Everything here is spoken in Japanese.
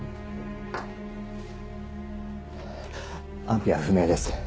安否は不明です。